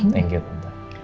thank you tante